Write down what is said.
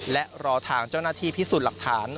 และรอทางเจ้าหน้าที่พิสูจน์หลักฐาน